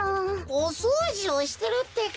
おそうじをしてるってか。